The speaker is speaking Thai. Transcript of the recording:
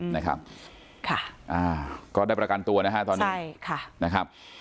นะครับค่ะอ่าก็ได้ประกันตัวนะฮะตอนนี้ใช่ค่ะนะครับ